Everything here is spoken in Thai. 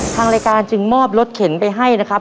ทางรายการจึงมอบรถเข็นไปให้นะครับ